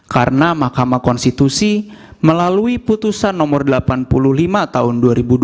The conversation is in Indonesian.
karena mahkamah konstitusi melalui putusan nomor delapan puluh lima tahun dua ribu dua puluh dua